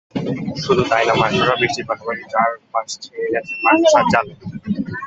শুধু তাই নয়, মাকড়সা বৃষ্টির পাশাপাশি চারপাশ ছেয়ে গেছে মাকড়সার জালে।